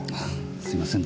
すいませんね。